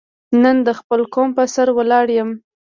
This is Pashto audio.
نن د خپل قوم په سر ولاړ یم.